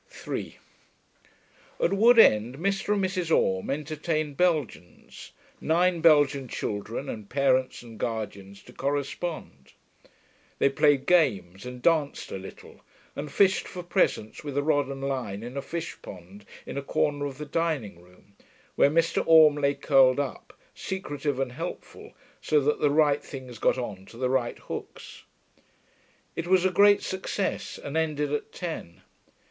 3 At Wood End, Mr. and Mrs. Orme entertained Belgians. Nine Belgian children, and parents and guardians to correspond. They played games, and danced a little, and fished for presents with a rod and line in a fish pond in a corner of the dining room, where Mr. Orme lay curled up, secretive and helpful, so that the right things got on to the right hooks. It was a great success, and ended at ten.